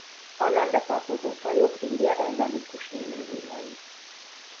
A nembe tartozó fajok India endemikus élőlényei.